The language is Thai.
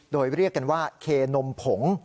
โดยเรียกกันว่าเคนมผง